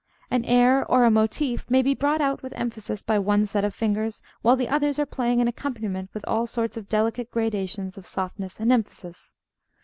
An air or a motif may be brought out with emphasis by one set of fingers, while the others are playing an accompaniment with all sorts of delicate gradations of softness and emphasis.